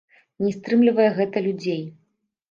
Не стрымлівае гэта людзей!